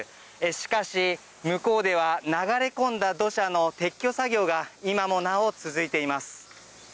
しかし、向こうでは流れ込んだ土砂の撤去作業が今もなお続いています。